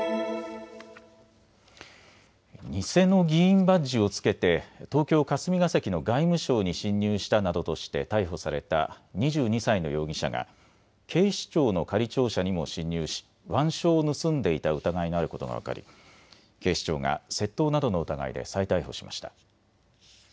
偽の議員バッジを着けて東京霞が関の外務省に侵入したなどとして逮捕された２２歳の容疑者が警視庁の仮庁舎にも侵入し腕章を盗んでいた疑いのあることが分かり警視庁が窃盗などの疑いで再逮捕しました。